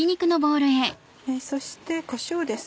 そしてこしょうです。